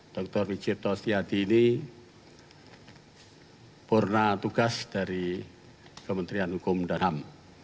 dr mijipto setiadi ini purna tugas dari kementerian hukum dan ham